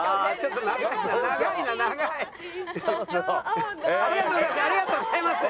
ありがとうございます。